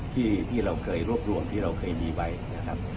ที่เราเคยรวบรวมที่เราเคยมีไว้นะครับ